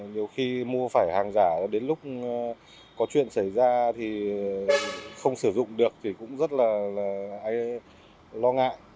nhiều khi mua phải hàng giả đến lúc có chuyện xảy ra thì không sử dụng được thì cũng rất là lo ngại